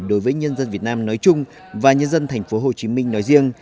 đối với nhân dân việt nam nói chung và nhân dân thành phố hồ chí minh nói riêng